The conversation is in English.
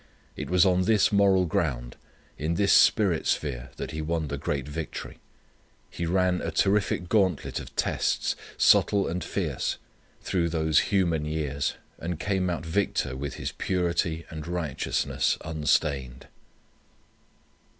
It was on this moral ground, in this spirit sphere that He won the great victory. He ran a terrific gauntlet of tests, subtle and fierce, through those human years, and came out victor with His purity and righteousness unstained.